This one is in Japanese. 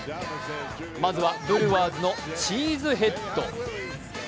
まずはブルワーズのチーズヘッド。